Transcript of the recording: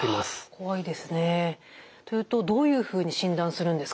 怖いですね。というとどういうふうに診断するんですか？